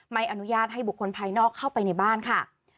ไม่อนุญาตให้บุคคลภายนอกเข้าไปในบ้านค่ะ